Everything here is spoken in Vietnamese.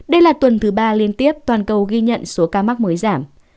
đây là tuần thứ ba liên tiếp toàn cầu ghi nhận số ca mắc mới giảm